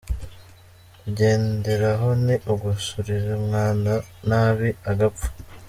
Kugenderaho ni ugusurira umwana nabi, agapfa.